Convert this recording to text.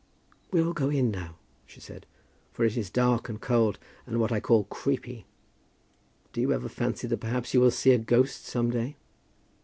"We will go in now," she said; "for it is dark and cold, and what I call creepy. Do you ever fancy that perhaps you will see a ghost some day?"